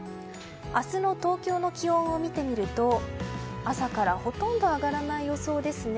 明日の東京の気温を見てみると朝からほとんど上がらない予想ですね。